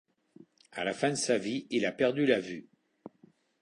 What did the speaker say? À la fin de sa vie, il a perdu la vue.